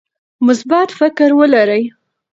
مثبت فکر ولرئ.